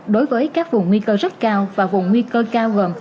đối với các vùng nguy cơ rất cao và vùng nguy cơ cao gồm